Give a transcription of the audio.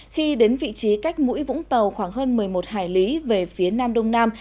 khi đến vị trí cách mũi vũng tàu khoảng hơn một mươi một hải lý về phía nam đông nam